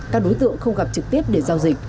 các đối tượng không gặp trực tiếp để giao dịch